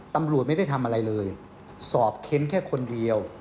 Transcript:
ตำรวจไม่ได้ทำอะไรเลยสอบเค้นแค่คนเดียว